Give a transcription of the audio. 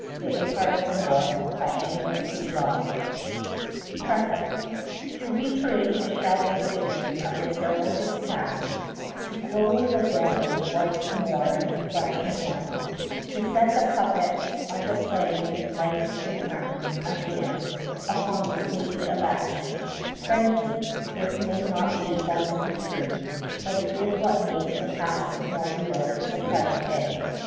Laut Entered at Stationers' Hall All Rights Reserved PREFACE To re create the shadowy figures of the heroic past, to clothe the dead once more in flesh and blood, to set the puppets of the play in life's great dramas again upon the stage of action, frankly, this may not be formal history, but it is what makes the past most real to the present day.